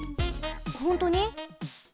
ほんとに？